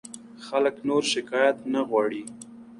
خلک نور شکایت نه غواړي.